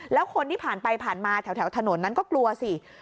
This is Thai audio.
แล้วคนที่ผ่านไปผ่านมาแถวถนนนั้นก็กลัวสิ